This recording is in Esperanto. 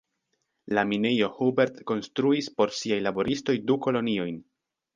La minejo Hubert konstruis por siaj laboristoj du koloniojn.